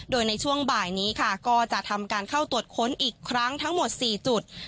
โดยในช่วงบ่ายนี้ค่ะก็จะทำการเข้าตรวจค้นอีกครั้งทั้งหมด๔จุด